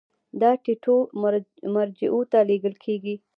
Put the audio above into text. دا ټیټو مرجعو ته لیږل کیږي.